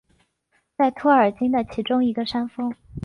在托尔金的其中一个山峰。